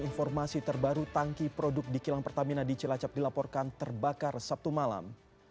informasi terbaru tangki produk di kilang pertamina di cilacap dilaporkan terbakar sabtu malam